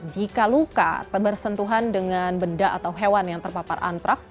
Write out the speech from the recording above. jika luka bersentuhan dengan benda atau hewan yang terpapar antraks